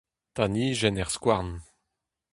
Tanijenn er skouarn.